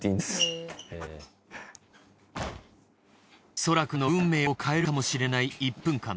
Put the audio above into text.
そらくんの運命を変えるかもしれない１分間。